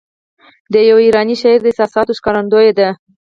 د یوه ایراني شاعر د احساساتو ښکارندوی ده.